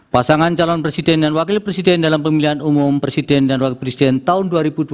pasangan calon presiden dan wakil presiden dalam pemilihan umum presiden dan wakil presiden tahun dua ribu dua puluh